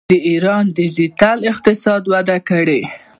د ایران ډیجیټل اقتصاد وده کړې.